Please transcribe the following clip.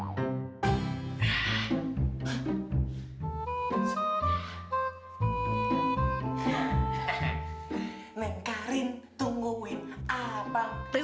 neng karin tungguin